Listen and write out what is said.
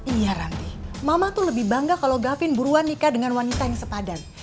iya ranti mama tuh lebih bangga kalau gavin buruan nikah dengan wanita yang sepadan